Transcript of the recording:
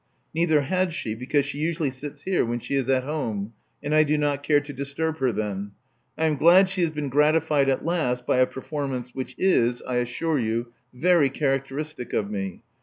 Neither had she, because she usually sits here when she is at home ; and I do not care to disturb her then. I am glad she has been gratified at last by a performance which is, I assure you, very characteristic of me.